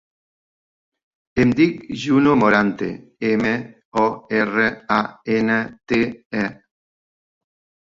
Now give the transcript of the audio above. Em dic Juno Morante: ema, o, erra, a, ena, te, e.